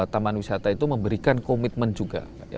taman wisata itu memberikan komitmen juga